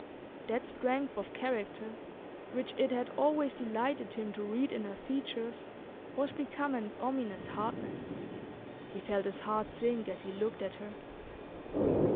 That strength of character which it had always delighted him to read in her features was become an ominous hardness. He felt his heart sink as he looked at her.